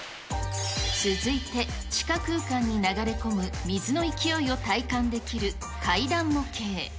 続いて、地下空間に流れ込む水の勢いを体感できる階段模型。